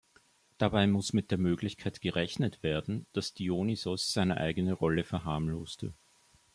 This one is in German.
Dabei muss mit der Möglichkeit gerechnet werden, dass Dionysios seine eigene Rolle verharmloste.